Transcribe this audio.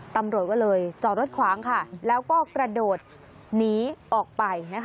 ตำรวจก็เลยจอดรถขวางค่ะแล้วก็กระโดดหนีออกไปนะคะ